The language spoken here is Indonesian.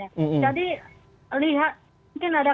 jadi lihat mungkin ada